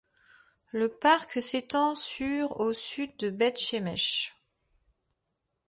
Le parc s'étend sur au sud de Bet Shemesh.